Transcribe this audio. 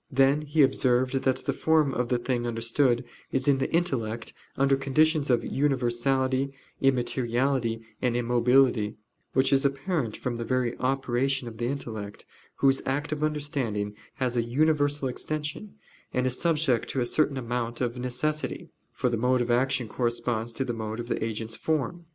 Then he observed that the form of the thing understood is in the intellect under conditions of universality, immateriality, and immobility: which is apparent from the very operation of the intellect, whose act of understanding has a universal extension, and is subject to a certain amount of necessity: for the mode of action corresponds to the mode of the agent's form.